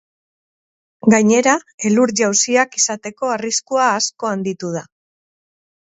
Gainera, elur-jausiak izateko arriskua asko handitu da.